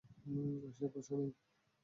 সে বাসায় নেই।